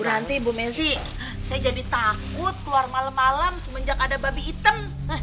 bu ranti bu messi saya jadi takut keluar malam malam semenjak ada babi item